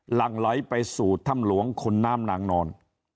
หลังไหลไปสู่ถ้ำหลวงขุนน้ำนางนอน